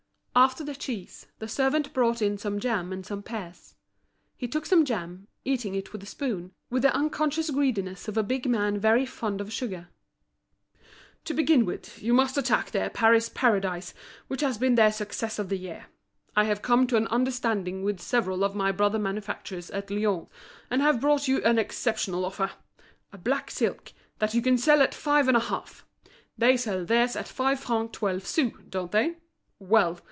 After the cheese, the servant brought in some jam and some pears. He took some jam, eating it with a spoon, with the unconscious greediness of a big man very fond of sugar. "To begin with, you must attack their Paris Paradise, which has been their success of the year. I have come to an understanding with several of my brother manufacturers at Lyons, and have brought you an exceptional offer—a black silk, that you can sell at five and a half. They sell theirs at five francs twelve sous, don't they? Well!